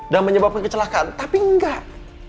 dan menyebabkan kecelakaan tapi enggak